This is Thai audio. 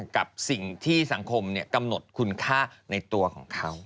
กับสิ่งที่สังคมกำหนดคุณค่าในตัวของเขา